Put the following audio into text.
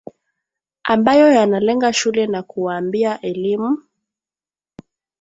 ambayo yanalenga shule na kuwaambia elimu